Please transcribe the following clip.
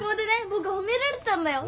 僕褒められたんだよ！